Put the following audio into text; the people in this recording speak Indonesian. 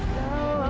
pulih seluruh rumah